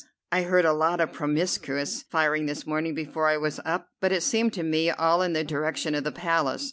I heard a lot of promiscuous firing this morning before I was up, but it seemed to me all in the direction of the Palace.